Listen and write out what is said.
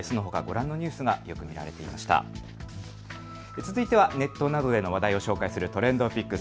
続いてはネットなどでの話題を紹介するＴｒｅｎｄＰｉｃｋｓ。